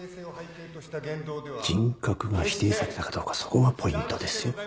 人格が否定されたかどうかそこがポイントですよ。